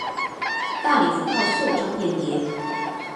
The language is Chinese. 大礼服靠袖章辨别。